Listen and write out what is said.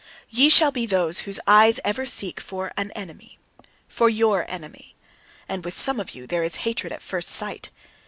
Ye shall be those whose eyes ever seek for an enemy for YOUR enemy. And with some of you there is hatred at first sight.